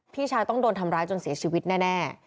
พี่ชายต้องโดนทำร้ายจนเสียชีวิตแน่